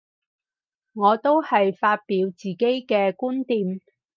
我都係發表自己嘅觀點